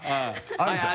あるじゃん？